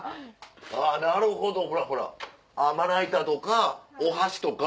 あぁなるほどほらほらまな板とかお箸とか。